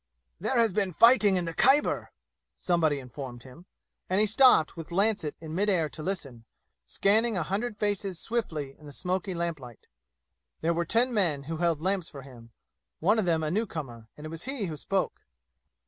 "There has been fighting in the Khyber," somebody informed him, and he stopped with lancet in mid air to listen, scanning a hundred faces swiftly in the smoky lamplight. There were ten men who held lamps for him, one of them a newcomer, and it was he who spoke.